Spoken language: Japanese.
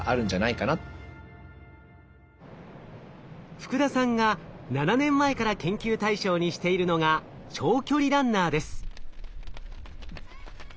福田さんが７年前から研究対象にしているのが長距離ランナーです。